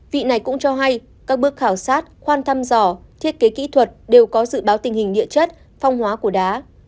vị này cũng cho hay các bước khảo sát khoan thăm dò thiết kế kỹ thuật đều có dự báo tình hình địa chất phong hóa của đá